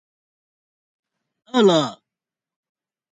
餓了